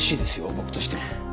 僕としても。